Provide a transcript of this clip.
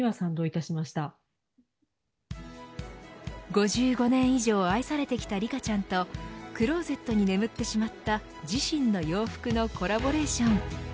５５年以上愛されてきたリカちゃんとクローゼットに眠ってしまった自身の洋服のコラボレーション。